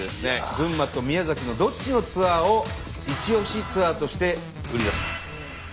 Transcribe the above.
群馬と宮崎のどっちのツアーをイチオシツアーとして売り出すか。